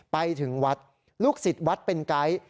ไปถึงวัดลูกศิษย์วัดเป็นไกด์